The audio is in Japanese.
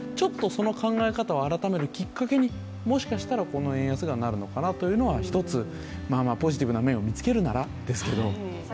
その考え方を改めるきっかけにもしかしたらこの円安がなるのかなと、一つ、ポジティブな面を見つけるならですけどあるのかなと。